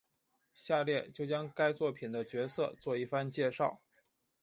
下列就将该作品的角色做一番介绍。